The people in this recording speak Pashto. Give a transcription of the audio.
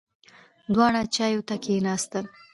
دواړه چایو ته کېناستل.